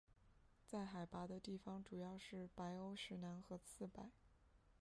在海拔的地方主要是白欧石楠和刺柏。